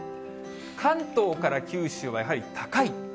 関東から九州はやはり高い。